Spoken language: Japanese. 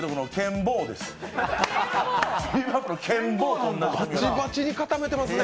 バチバチに固めてますね。